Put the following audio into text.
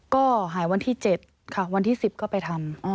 ก็หายวันที่๗ค่ะวันที่๑๐ก็ไปทำ